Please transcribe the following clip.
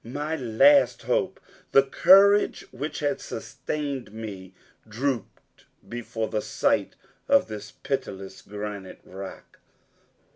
My last hope, the courage which had sustained me, drooped before the sight of this pitiless granite rock!